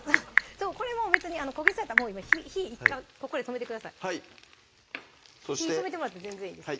これもう別に焦げそうやったらもう今火１回ここで止めてくださいそして火止めてもらって全然いいです